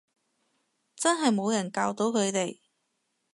真係冇人教到佢哋